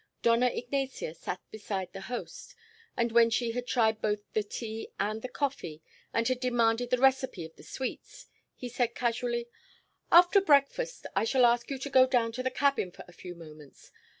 Dona Ignacia sat beside the host, and when she had tried both the tea and the coffee and had demanded the recipe of the sweets, he said casually: "After breakfast I shall ask you to go down to the cabin for a few moments.